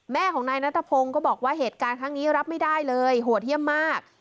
แม่ของนายนัทพงศ์ก็บอกว่าเหตุการณ์ครั้งนี้รับไม่ได้เลยโหดเยี่ยมมาก